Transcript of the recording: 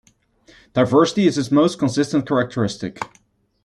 Diversity is its most consistent characteristic.